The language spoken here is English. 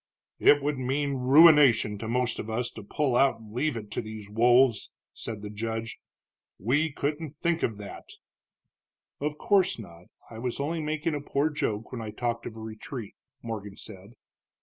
"It would mean ruination to most of us to pull out and leave it to these wolves," said the judge. "We couldn't think of that." "Of course not, I was only making a poor joke when I talked of a retreat," Morgan said.